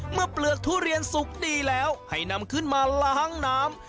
เปลือกทุเรียนสุกดีแล้วให้นำขึ้นมาล้างน้ำ